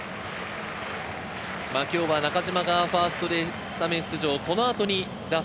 今日は中島がファーストでスタメン出場、この後に打席。